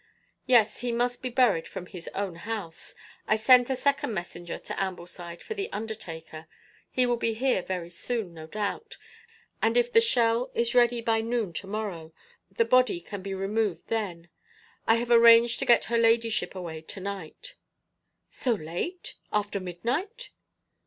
'Yes. He must be buried from his own house. I sent a second messenger to Ambleside for the undertaker. He will be here very soon, no doubt, and if the shell is ready by noon to morrow, the body can be removed then. I have arranged to get her ladyship away to night.' 'So late? After midnight?'